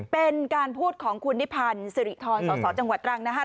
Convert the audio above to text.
เป็นการพูดของคุณนิพันธ์สิริธรสอสอจังหวัดตรังนะครับ